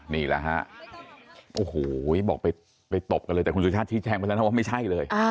นี่แหละฮะโอ้โหบอกไปตบกันเลยแต่คุณสุชาติชี้แจ้งไปแล้วนะว่าไม่ใช่เลย